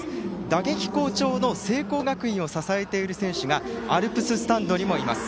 打撃好調の聖光学院を支えている選手がアルプススタンドにもいます。